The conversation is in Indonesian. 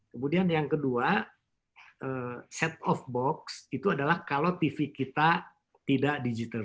kemudian yang kedua set of box itu adalah kalau tv kita tidak digital